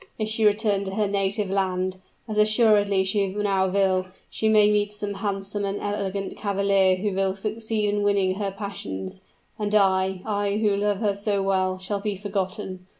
If she return to her native land, as assuredly she now will, she may meet some handsome and elegant cavalier who will succeed in winning her passions: and I I, who love her so well shall be forgotten!